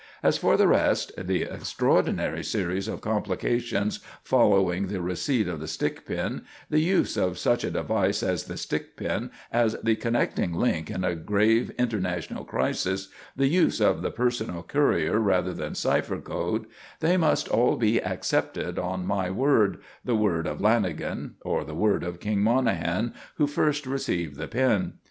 As for the rest the extraordinary series of complications following the receipts of the stick pin, the use of such a device as the stick pin, as the connecting link in a grave international crisis, the use of the personal courier rather than cipher code they must all be accepted on my word, the word of Lanagan, or the word of "King" Monahan, who first received the pin.